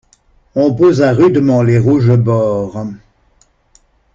On posa rudement les rouges bords.